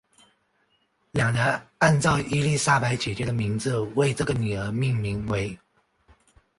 两人按照伊丽莎白姐姐的名字为这个女儿命名为。